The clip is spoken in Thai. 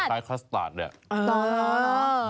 คล้ายคลัสตาร์ดด้วย